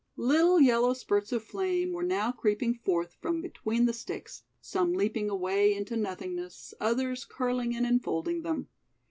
Little yellow spurts of flame were now creeping forth from between the sticks, some leaping away into nothingness, others curling and enfolding them.